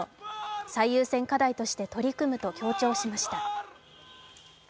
最優先課題として取り組むと強調しました。